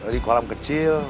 di kolam kecil